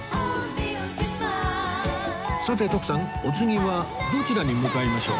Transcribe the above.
さて徳さんお次はどちらに向かいましょう？